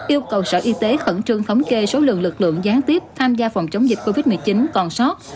yêu cầu sở y tế khẩn trương thống kê số lượng lực lượng gián tiếp tham gia phòng chống dịch covid một mươi chín còn sót